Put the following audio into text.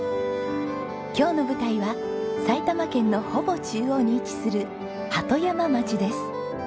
今日の舞台は埼玉県のほぼ中央に位置する鳩山町です。